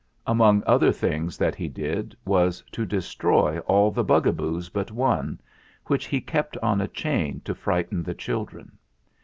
Among other things that he did was to destroy all the Bugaboos but one, which he kept on a chain to frighten the children.